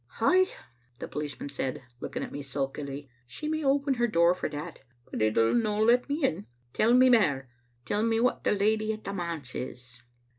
"Ay," the policeman said, looking at me sulkily, " she may open her door for that, but it'll no let me in. Tell me mair. Tell me wha the leddy at the manse is."